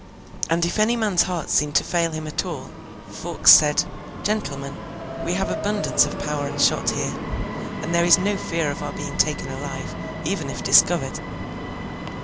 And if any man's heart seemed to fail him at all, Fawkes said, 'Gentlemen, we have abundance of powder and shot here, and there is no fear of our being taken alive, even if discovered.